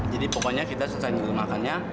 jadi pokoknya kita selesai dulu makannya